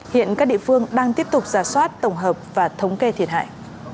hiện các địa phương đang tiếp tục giả soát tổng hợp và thống kê thiệt hại